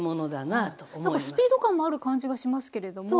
なんかスピード感もある感じがしますけれども。